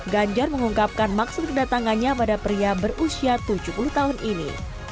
ganjar mengungkapkan maksud kedatangannya pada pria berusia tujuh puluh tahun ini